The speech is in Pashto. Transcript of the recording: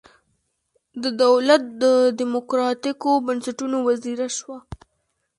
د دولت د دموکراتیکو بنسټونو وزیره شوه.